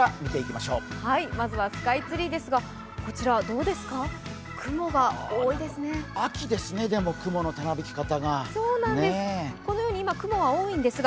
まずはスカイツリーですが、こちらどうですか、雲が多いですね。